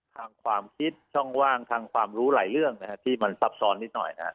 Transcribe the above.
ความคิดช่องว่างทางความรู้หลายเรื่องนะฮะที่มันซับซ้อนนิดหน่อยนะฮะ